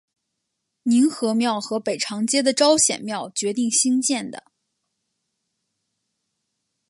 凝和庙和北长街的昭显庙决定兴建的。